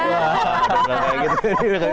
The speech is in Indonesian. gak kayak gitu